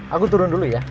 aku turun dulu ya